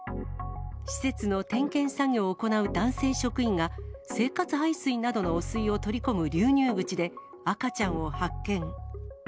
施設の点検作業を行う男性職員が、生活排水などの汚水を取り込む流入口で、赤ちゃんを発見。